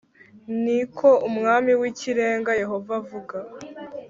ni ko Umwami w Ikirenga Yehova avuga